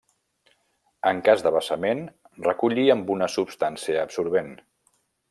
En cas de vessament recollir amb una substància absorbent.